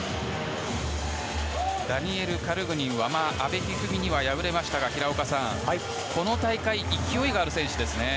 ダニエル・カルグニンは阿部一二三には敗れましたが平岡さん、この大会勢いがある選手ですね。